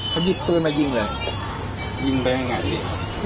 เขาหยิบปืนมายิงเลยยิงไปยังไงพี่